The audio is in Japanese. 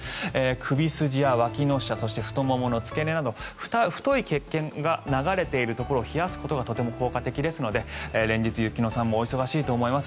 首筋やわきの下そして太ももの付け根など太い血管が流れているところを冷やすことがとても効果的なので連日雪乃さんもお忙しいと思います。